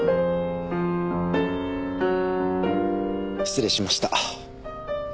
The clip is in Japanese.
失礼しました。